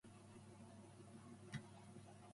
The woman sells foodstuffs in the Market.